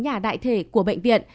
nhà đại thể của bệnh viện